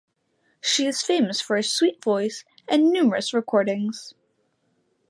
She is famous for her sweet voice and numerous recordings.